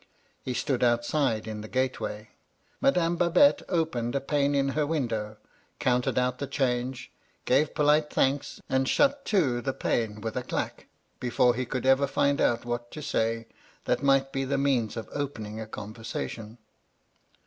He stood outside in the gateway: Madame Babette opened a pane in her window, counted out the change, gave polite thanks, and shut to the pane with a clack, before he could ever find out what to say that might be the means of opening a conversation.